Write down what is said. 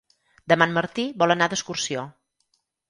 Demà en Martí vol anar d'excursió.